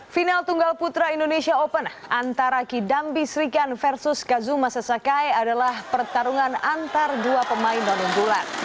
final tunggal putra indonesia open antara kidambi srikan versus kazuma sesakai adalah pertarungan antar dua pemain non unggulan